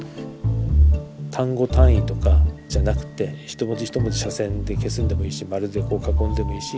単語単位とかじゃなくて一文字一文字斜線で消すんでもいいし丸でこう囲んでもいいし。